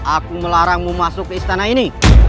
aku melarangmu masuk ke istana ini